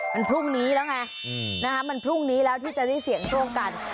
มันพรุ่งนี้แล้วไงมันพรุ่งนี้แล้วที่จะได้เสี่ยงโชคกัน